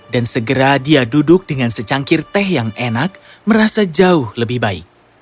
dan segera dia duduk dengan sejangkir teh yang enak merasa jauh lebih baik